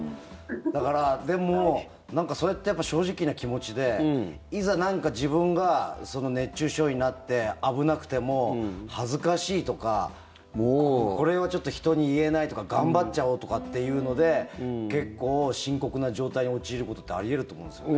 だからでも、それって正直な気持ちでいざ自分が熱中症になって危なくても、恥ずかしいとかこれはちょっと人に言えないとか頑張っちゃおうとかっていうので結構、深刻な状態に陥ることってあり得ると思うんですよね。